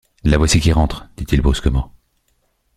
La voici qui rentre, dit-il brusquement.